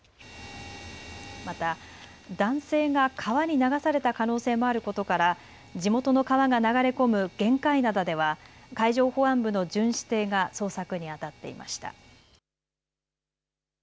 また男性が川に流された可能性もあることから地元の川が流れ込む玄界灘では海上保安部の巡視艇が捜索にあたっていました。